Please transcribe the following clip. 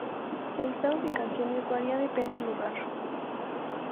El listado de canciones varia depende el lugar.